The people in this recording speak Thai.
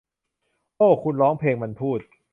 โอ้ คุณร้องเพลง มันพูด